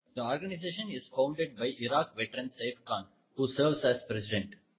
The organization is founded by Iraq veteran Saif Khan who serves as President.